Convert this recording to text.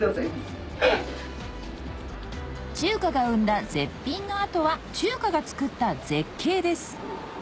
中華が生んだ絶品の後は中華が造った絶景です